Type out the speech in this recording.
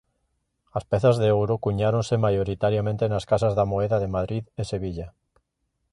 As pezas de ouro cuñáronse maioritariamente nas casas da moeda de Madrid e Sevilla.